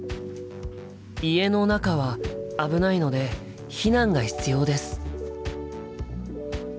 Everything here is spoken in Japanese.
家の中は危ないので避難が必要です。